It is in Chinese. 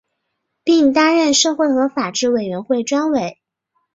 并担任社会和法制委员会专委。